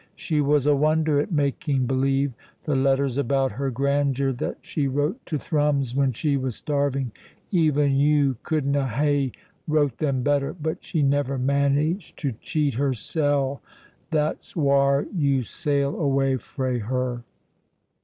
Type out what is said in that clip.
She was a wonder at making believe. The letters about her grandeur that she wrote to Thrums when she was starving! Even you couldna hae wrote them better. But she never managed to cheat hersel'. That's whaur you sail away frae her."